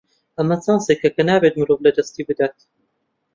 ئەمە چانسێکە کە نابێت مرۆڤ لەدەستی بدات.